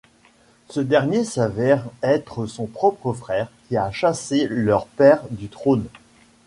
Ce dernier s'avère être son propre frère qui a chassé leur père du trône.